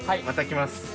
また来ます。